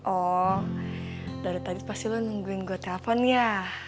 oh dari tadi pasti lo nungguin gue telpon ya